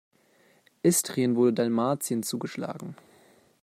Istrien wurde Dalmatien zugeschlagen.